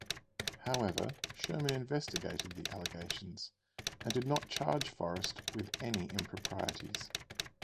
However, Sherman investigated the allegations and did not charge Forrest with any improprieties.